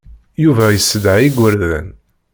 Yuba yessedha igerdan.